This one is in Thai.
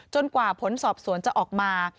กว่าผลสอบสวนจะออกมา